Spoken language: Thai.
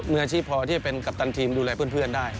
มีอาชีพพอที่จะเป็นกัปตันทีมดูแลเพื่อนได้